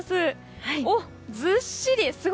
ずっしり！